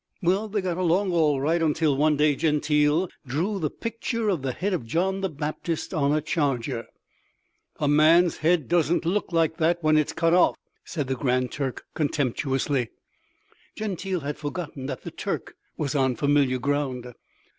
Well, they got along all right, until one day Gentile drew the picture of the head of John the Baptist on a charger. "A man's head doesn't look like that when it is cut off," said the Grand Turk contemptuously. Gentile had forgotten that the Turk was on familiar ground.